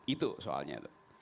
itu soalnya itu